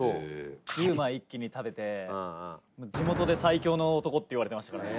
１０枚一気に食べて地元で最強の男って言われてましたからね。